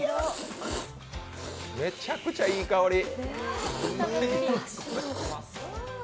めちゃくちゃいい香りうーん。